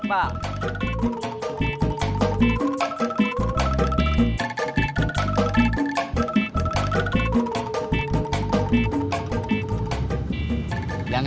pantai pantai pantai